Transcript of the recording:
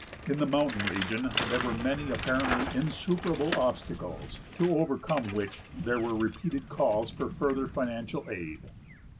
In the mountain region there were many apparently insuperable obstacles, to overcome which there were repeated calls for further financial aid.